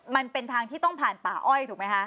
มันเป็นทางที่ต้องผ่านป่าอ้อยถูกไหมคะ